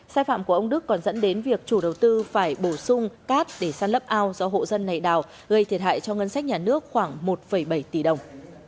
sai phạm của ông đức còn dẫn đến việc chủ đầu tư phải bổ sung cát để săn lấp ao do hộ dân này đào gây thiệt hại cho ngân sách nhà nước khoảng một bảy tỷ đồng